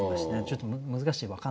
ちょっと難しい。